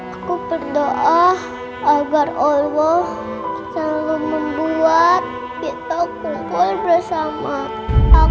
aku berdoa agar allah selalu membuat kita kumpul bersama aku mama dan papa selamanya